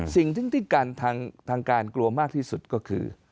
สิ่งที่ทางการกลัวมากที่สุดก็คือ